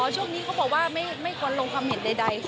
ช่วงนี้เขาบอกว่าไม่ควรลงความเห็นใด